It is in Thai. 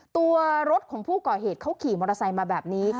ตัวรถของผู้ก่อเหตุเขาขี่มอเตอร์ไซค์มาแบบนี้